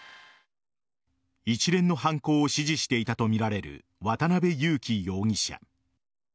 一連の犯行を指示していたとみられる渡辺優樹容疑者。